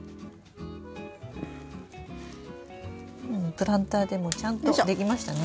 プランターでもちゃんとできましたね。